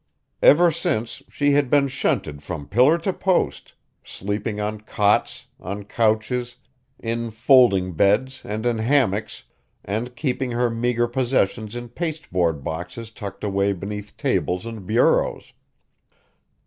Ever since she had been shunted from pillar to post, sleeping on cots, on couches, in folding beds and in hammocks, and keeping her meager possessions in paste board boxes tucked away beneath tables and bureaus.